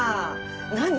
何？